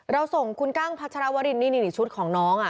ส่งคุณกั้งพัชรวรินนี่ชุดของน้อง